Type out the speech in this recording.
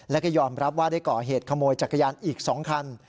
แล้วก็ยอมรับว่าได้ก่อเหตุขโมยจักรยานอีก๒คัน